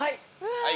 はい。